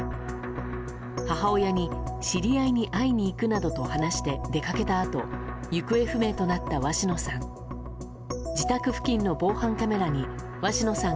母親に知り合いに会いに行くなどと話して出かけたあと行方不明となった鷲野さん。